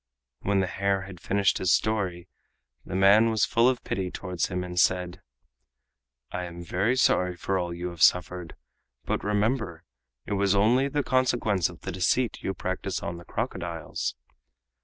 When the hare had finished his story, the man was full of pity towards him, and said: "I am very sorry for all you have suffered, but remember, it was only the consequence of the deceit you practiced on the crocodiles."